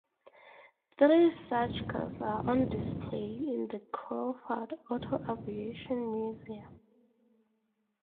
Three such cars are on display in the Crawford Auto-Aviation Museum.